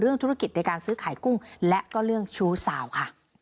ธุรกิจในการซื้อขายกุ้งและก็เรื่องชู้สาวค่ะ